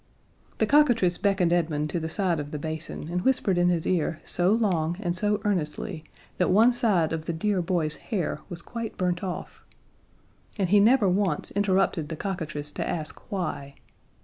The cockatrice beckoned Edmund to the side of the basin and whispered in his ear so long and so earnestly that one side of the dear boy's hair was quite burnt off. And he never once interrupted the cockatrice to ask why.